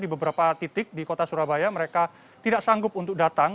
di beberapa titik di kota surabaya mereka tidak sanggup untuk datang